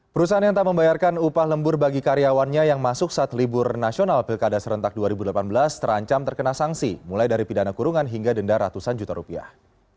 perusahaan yang tak membayarkan upah lembur bagi karyawannya yang masuk saat libur nasional pilkada serentak dua ribu delapan belas terancam terkena sanksi mulai dari pidana kurungan hingga denda ratusan juta rupiah